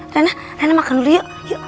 rena rena makan dulu yuk